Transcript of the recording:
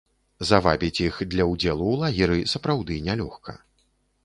Завабіць іх для ўдзелу ў лагеры сапраўды нялёгка.